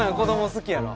好きやわ！